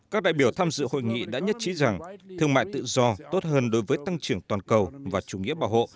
các đại biểu tham dự hội nghị đã nhất trí rằng thương mại tự do tốt hơn đối với tăng trưởng toàn cầu và chủ nghĩa bảo hộ